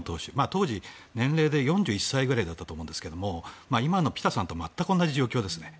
当時４１歳ぐらいだったと思うんですけど、今のピタさんと全く同じ状況ですね。